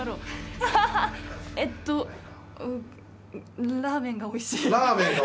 えっとラーメンがおいしい。